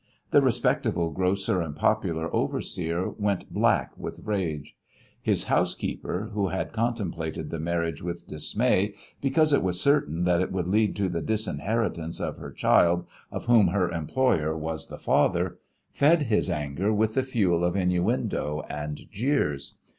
The respectable grocer and popular overseer went black with rage. His housekeeper, who had contemplated the marriage with dismay because it was certain that it would lead to the disinheritance of her child, of whom her employer was the father, fed his anger with the fuel of innuendo and jeers.